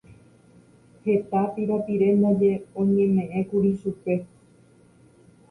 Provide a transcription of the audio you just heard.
Heta pirapire ndaje oñemeʼẽkuri chupe.